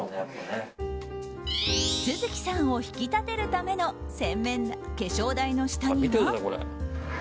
續さんを引き立てるための化粧台の下には。